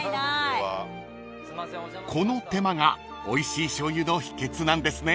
［この手間がおいしい醤油の秘訣なんですね］